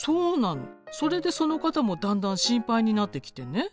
それでその方もだんだん心配になってきてね